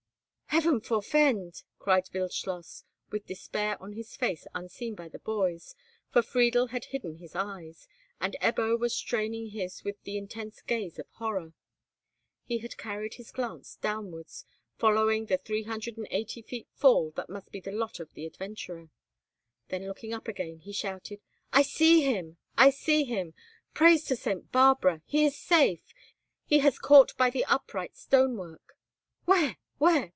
"Heaven forefend!" cried Wildschloss, with despair on his face unseen by the boys, for Friedel had hidden his eyes, and Ebbo was straining his with the intense gaze of horror. He had carried his glance downwards, following the 380 feet fall that must be the lot of the adventurer. Then looking up again he shouted, "I see him! I see him! Praise to St. Barbara! He is safe! He has caught by the upright stone work." "Where? where?